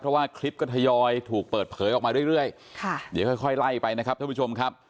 เพราะว่าคลิปก็ทยอยถูกเปิดเผยออกมาเรื่อยค่ะเดี๋ยวค่อยค่อยไล่ไปนะครับท่านผู้ชมครับ